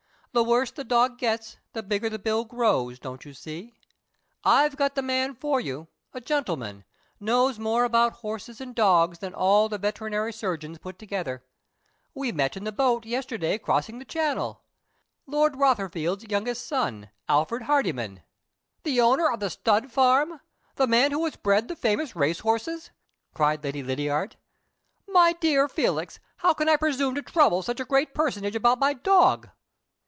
The worse the dog gets the bigger the bill grows, don't you see? I have got the man for you a gentleman. Knows more about horses and dogs than all the veterinary surgeons put together. We met in the boat yesterday crossing the Channel. You know him by name, of course? Lord Rotherfield's youngest son, Alfred Hardyman." "The owner of the stud farm? The man who has bred the famous racehorses?" cried Lady Lydiard. "My dear Felix, how can I presume to trouble such a great personage about my dog?"